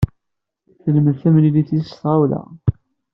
Telmed tamlilt-is s tɣawla.